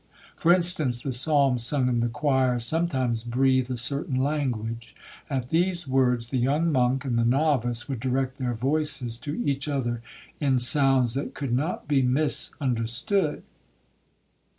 For instance, the psalms sung in the choir sometimes breathe a certain language; at these words, the young monk and the novice would direct their voices to each other in sounds that could not be misunderstood.